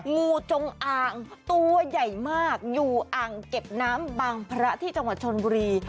งูจงอ่างตัวใหญ่มากอยู่อ่างเก็บน้ำบางพระที่จังหวัดชนบุรี